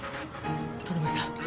取れました。